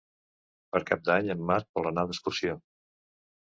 Per Cap d'Any en Marc vol anar d'excursió.